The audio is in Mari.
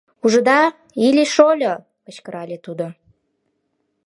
— Ужыда, Илли-шольо! — кычкырале тудо.